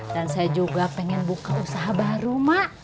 dan saya juga pengen buka usaha baru ma